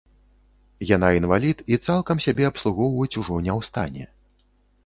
Яна інвалід і цалкам сябе абслугоўваць ужо не ў стане.